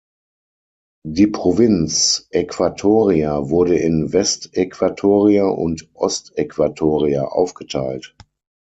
Die Provinz Äquatoria wurde in West-Äquatoria und Ost-Äquatoria aufgeteilt.